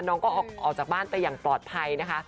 น้องก็ออกจากบ้านไปอย่างปลอดภัยนะคะ